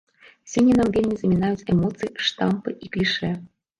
Сёння нам вельмі замінаюць эмоцыі, штампы і клішэ.